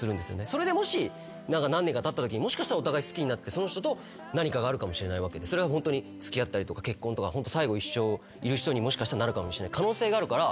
それでもし何年かたったときもしかしたら好きになってその人と何かがあるかもしれないわけでそれはホントに付き合ったりとか結婚とか最後一生いる人にもしかしたらなるかもしれない可能性があるから。